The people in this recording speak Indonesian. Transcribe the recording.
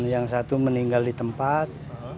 yang satu meninggal di tempat